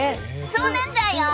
そうなんだよ。